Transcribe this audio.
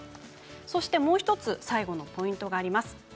そして、もう１つ最後のポイントがあります。